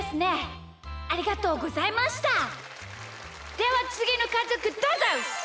ではつぎのかぞくどうぞ！